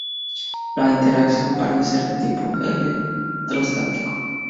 La interacción parece ser de tipo electrostático.